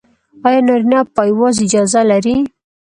ایا نارینه پایواز اجازه لري؟